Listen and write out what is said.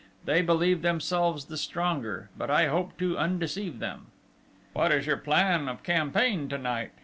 They believe themselves the stronger, but I hope to undeceive them." "What is your plan of campaign to night?"